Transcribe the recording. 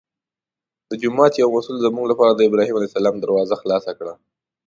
د جومات یو مسوول زموږ لپاره د ابراهیم علیه السلام دروازه خلاصه کړه.